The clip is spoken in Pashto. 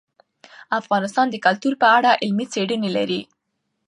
افغانستان د کلتور په اړه علمي څېړنې لري.